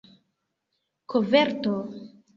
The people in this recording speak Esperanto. koverto